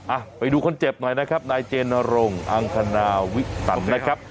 อ่ะไปดูคนเจ็บหน่อยนะครับนายเจนรงอังคณาวิตันนะครับ